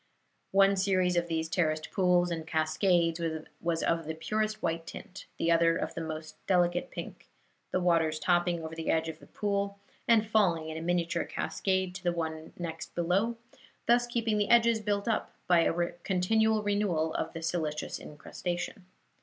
One series of these terraced pools and cascades was of the purest white tint, the other of the most delicate pink, the waters topping over the edge of each pool and falling in a miniature cascade to the one next below, thus keeping the edges built up by a continual renewal of the silicious incrustation.